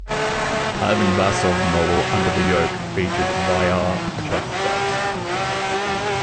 Ivan Vazov's novel "Under the Yoke" features Byala Cherkva.